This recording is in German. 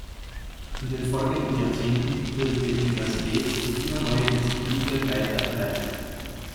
In den folgenden Jahrzehnten wurde die Universität durch immer neue Institute weiter erweitert.